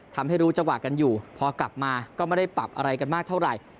ทำให้รู้จังหวะกันอยู่พอกลับมาก็ไม่ได้ปรับอะไรกันมากเท่าไหร่